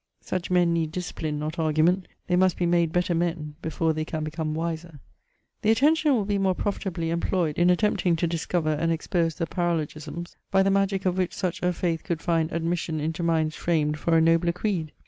Such men need discipline, not argument; they must be made better men, before they can become wiser. The attention will be more profitably employed in attempting to discover and expose the paralogisms, by the magic of which such a faith could find admission into minds framed for a nobler creed.